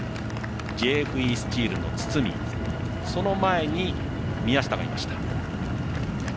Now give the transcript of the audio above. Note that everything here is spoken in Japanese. ＪＦＥスチールの堤その前に、宮下がいました。